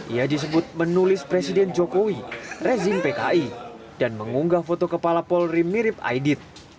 ia disebut menulis presiden jokowi rezim pki dan mengunggah foto kepala polri mirip aidit